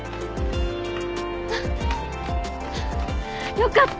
よかった。